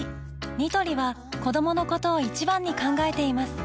ニトリは子どものことを一番に考えています